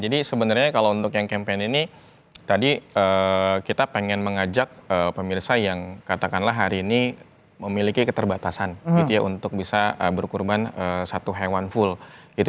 jadi sebenarnya kalau untuk yang campaign ini tadi kita pengen mengajak pemirsa yang katakanlah hari ini memiliki keterbatasan gitu ya untuk bisa berkurban satu hewan full gitu